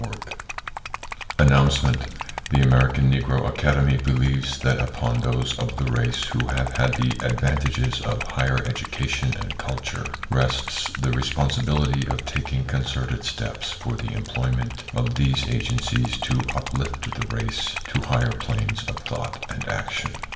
[Pg 3] Announcement The American Negro Academy believes that upon those of the race who have had the advantages of higher education and culture, rests the responsibility of taking concerted steps for the employment of these agencies to uplift the race to higher planes of thought and action.